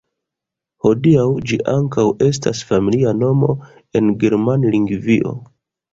Hodiaŭ ĝi ankaŭ estas familia nomo en Germanlingvio.